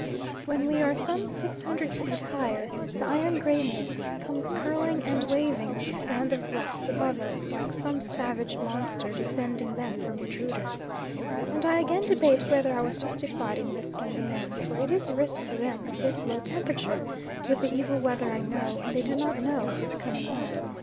When we are some 600 feet higher the iron grey mist comes curling and waving round the rocks above us, like some savage monster defending them from intruders, and I again debate whether I was justified in risking the men, for it is a risk for them at this low temperature, with the evil weather I know, and they do not know, is coming on.